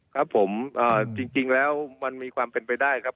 ครับผมจริงแล้วมันมีความเป็นไปได้ครับ